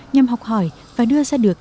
nhằm học hỏi và đưa ra được